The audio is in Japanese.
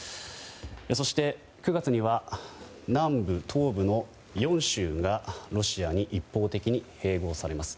そして９月には南部、東部の４州がロシアに一方的に併合されます。